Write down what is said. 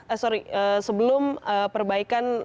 eh sorry sebelum perbaikan